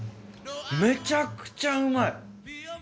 めちゃくちゃうまい。